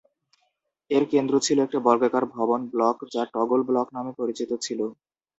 এর কেন্দ্রে ছিল একটি বর্গাকার ভবন ব্লক যা টগল ব্লক নামে পরিচিত ছিল।